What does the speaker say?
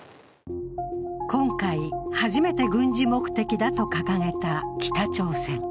今回、初めて軍事目的だと掲げた北朝鮮。